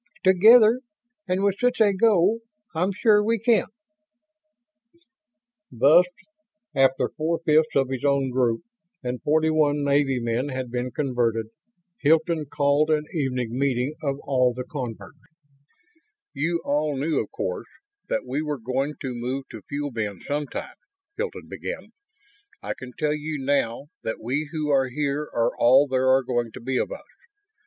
Together, and with such a goal, I'm sure we can." Thus, after four fifths of his own group and forty one Navy men had been converted, Hilton called an evening meeting of all the converts. Larry, Tuly and Javvy were the only Omans present. "You all knew, of course, that we were going to move to Fuel Bin sometime," Hilton began. "I can tell you now that we who are here are all there are going to be of us.